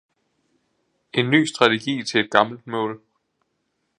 En ny strategi til et gammelt mål!